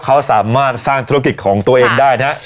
เขาสามารถสร้างธุรกิจของตัวเองได้นะฮะ